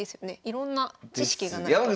いろんな知識がないと。